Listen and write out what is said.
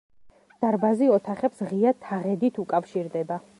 დარბაზი ოთახებს ღია თაღედით უკავშირდება.